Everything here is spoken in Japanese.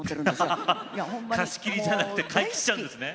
貸し切りじゃなくて買い切っちゃうんですね。